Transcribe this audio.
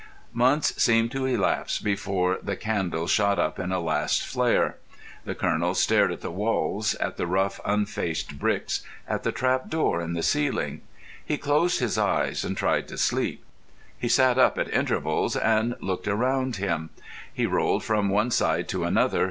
Months seemed to elapse before the candle shot up in a last flare. The Colonel stared at the walls, at the rough, unfaced bricks, at the trap door in the ceiling. He closed his eyes and tried to sleep. He sat up at intervals and looked round him. He rolled from one side to another.